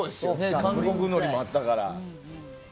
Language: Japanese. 韓国のりもあったから。